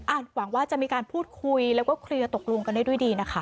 หวังว่าจะมีการพูดคุยแล้วก็เคลียร์ตกลงกันได้ด้วยดีนะคะ